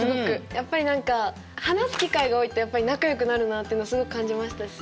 やっぱり何か話す機会が多いとやっぱり仲よくなるなっていうのをすごく感じましたし。